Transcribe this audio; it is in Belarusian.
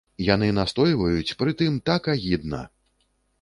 Яны настойваюць, прытым так агідна!